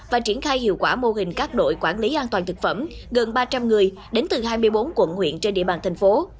và triển khai hiệu quả mô hình các đội quản lý an toàn thực phẩm gần ba trăm linh người đến từ hai mươi bốn quận huyện trên địa bàn thành phố